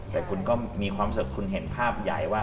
แต่คุณก็มีความสุขคุณเห็นภาพใหญ่ว่า